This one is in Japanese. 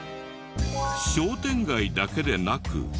商店街だけでなく。